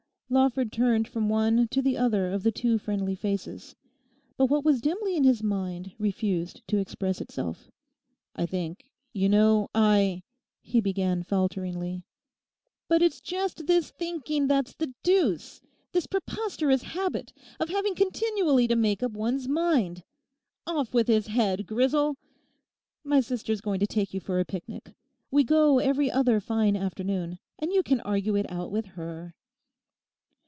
Lawford turned from one to the other of the two friendly faces. But what was dimly in his mind refused to express itself. 'I think, you know, I—' he began falteringly. 'But it's just this thinking that's the deuce—this preposterous habit of having continually to make up one's mind. Off with his head, Grisel! My sister's going to take you for a picnic; we go every other fine afternoon; and you can argue it out with her.